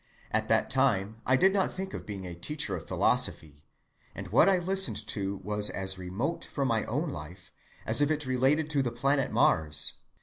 At that time I did not think of being a teacher of philosophy: and what I listened to was as remote from my own life as if it related to the planet Mars.